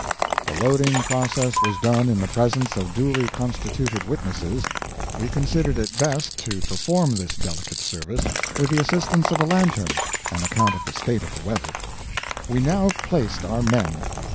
The loading process was done in the presence of duly constituted witnesses. We considered it best to perform this delicate service with the assistance of a lantern, on account of the state of the weather. We now placed our men.